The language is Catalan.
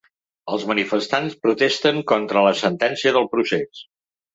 Els manifestants protesten contra la sentència del procés.